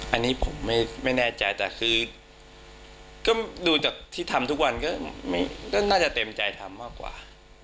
อันนี้ผมไม่แน่ใจแต่คือก็ดูจากที่ทำทุกวันก็น่าจะเต็มใจทำมากกว่า